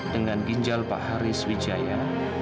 dengan ginjal pak haris wijaya